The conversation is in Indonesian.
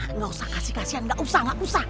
enggak usah kasih kasihan enggak usah